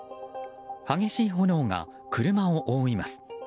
激しい炎が車を覆います。